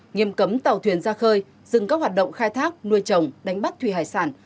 nghiêm cấm tàu thuyền ra khơi dừng các hoạt động khai thác nuôi trồng đánh bắt thủy hải sản